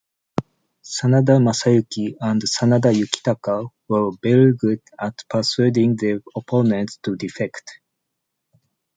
Sanada Masayuki and Sanada Yukitaka were very good at persuading their opponents to defect.